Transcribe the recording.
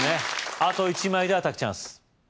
あと１枚でアタックチャンス